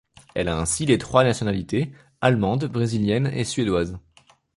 Elle a ainsi les trois nationalités, allemande, brésilienne, et suédoise.